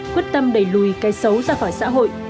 quyết tâm đẩy lùi cái xấu ra khỏi xã hội